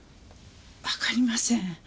わかりません。